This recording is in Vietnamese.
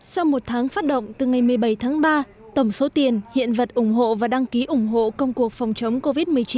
sau một tháng phát động từ ngày một mươi bảy tháng ba tổng số tiền hiện vật ủng hộ và đăng ký ủng hộ công cuộc phòng chống covid một mươi chín